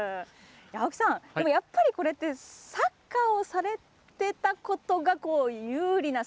青木さん、やっぱりこれってサッカーをされていたことが有利な。